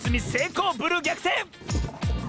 ブルーぎゃくてん！